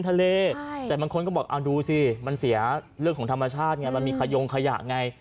ทะเลใช่แต่บางคนก็บอกดูสิมันเสียเรื่องของธรรมชาติไงมันมีขยงขยะไง